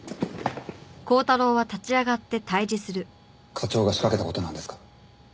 課長が仕掛けた事なんですか？